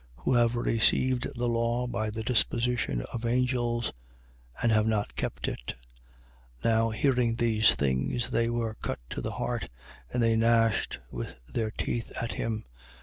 7:53. Who have received the law by the disposition of angels and have not kept it. 7:54. Now hearing these things, they were cut to the heart: and they gnashed with their teeth at him.